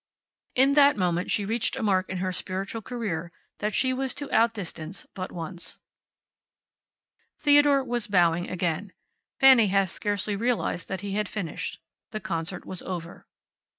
In that moment she reached a mark in her spiritual career that she was to outdistance but once. Theodore was bowing again. Fanny had scarcely realized that he had finished. The concert was over.